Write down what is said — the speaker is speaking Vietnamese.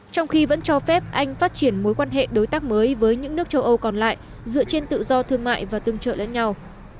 trong khi vẫn cho phép anh phát triển mối quan hệ đối tác mới với những nước châu âu còn lại dựa trên tự do thương mại và tương trợ lẫn nhau